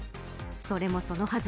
それもそのはず